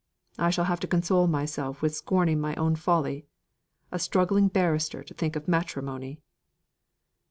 I shall have to console myself with scorning my own folly. A struggling barrister to think of matrimony!"